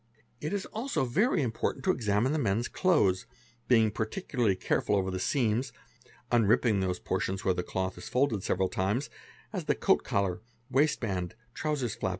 It is also very important to examine the man's clothes, being parti ularly careful over the seams, unripping those portions where the oth is folded several times, as the coat collar, waist band, trousers flap